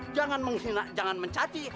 jangan menghina jangan mencaci